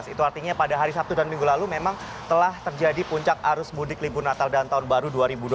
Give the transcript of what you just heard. itu artinya pada hari sabtu dan minggu lalu memang telah terjadi puncak arus mudik libur natal dan tahun baru dua ribu dua puluh